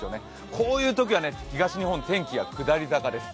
こういうときは東日本、天気が下り坂です。